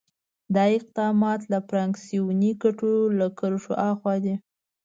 دا اقدامات له فراکسیوني ګټو له کرښو آخوا دي.